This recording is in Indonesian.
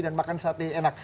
dan makan sate enak